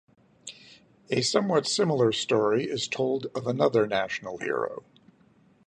A somewhat similar story is told of another national hero.